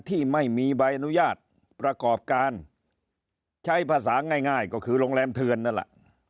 ที่ไม่มีใบอนุญาตประกอบการใช้ภาษาง่ายก็คือโรงแรมเทือนนั่นแหละ